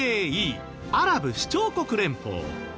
アラブ首長国連邦。